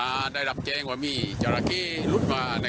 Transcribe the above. อ่าผมไม่เห็นนะ